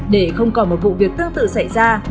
để không còn một vụ việc tương tự xảy ra